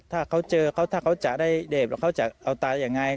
ถ้าเขาเจอเขาถ้าเขาจะได้เสพแล้วเขาจะเอาตายังไง